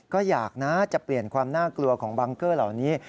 ก็อยากนะจะเปลี่ยนความน่ากลัวของบังเกอร์เหล่านี้